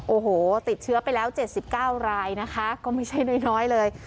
โอ้โหติดเชื้อไปแล้ว๗๙รายนะคะก็ไม่ใช่น้อยเลย